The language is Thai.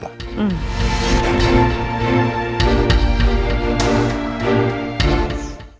อืม